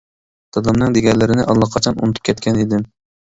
دادامنىڭ دېگەنلىرىنى ئاللىقاچان ئۇنتۇپ كەتكەن ئىدىم.